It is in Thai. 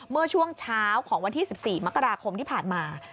เมื่อช่วงเช้าของวันที่๑๔มกราคมที่ผ่านมา